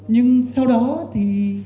nhưng sau đó thì